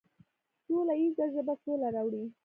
سوله ییزه ژبه سوله راوړي.